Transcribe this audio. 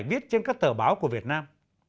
bài viết trên các tờ báo của việt nam